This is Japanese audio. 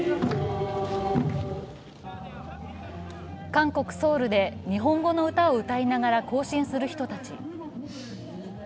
韓国ソウルで日本語の歌を歌いながら行進する人たち。